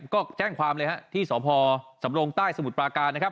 ก็แจ้งความเลยฮะที่สพสำรงใต้สมุทรปราการนะครับ